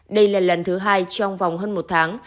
đây là lần thứ hai trong vòng hơn một tháng